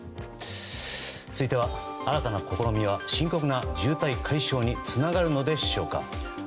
続いては、新たな試みは深刻な渋滞解消につながるのでしょうか。